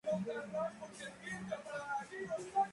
Dentro del mismo territorio está la calurosa sabana tropical húmeda.